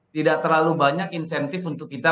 tidak terlalu banyak insentif untuk kita